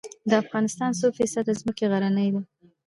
د افغانستان څو فیصده ځمکه غرنۍ ده؟